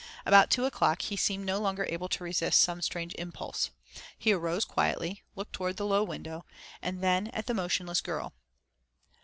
About two o'clock he seemed no longer able to resist some strange impulse. He arose quietly, looked toward the low window, then at the motionless girl.